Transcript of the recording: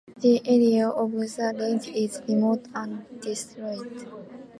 The area of the range is remote and desolate.